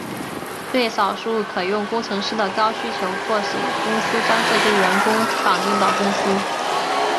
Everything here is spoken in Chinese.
对少数可用工程师的高需求迫使公司将这些员工绑定到公司。